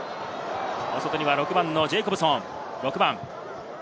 大外には６番のジェイコブソン。